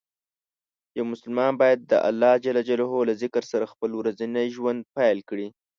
یو مسلمان باید د الله له ذکر سره خپل ورځنی ژوند پیل کړي.